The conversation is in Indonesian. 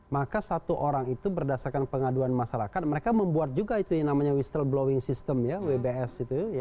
maka satu orang itu berdasarkan pengaduan masyarakat mereka membuat juga itu yang namanya whistleblowing system wbs